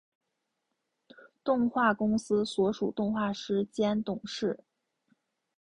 动画公司所属动画师兼董事。